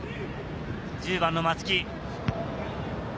１０番の松木。